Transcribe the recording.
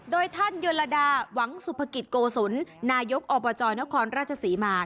โดยท่านยลดาหวังสุภกิจโกศลนายกอบจนครราชศรีมา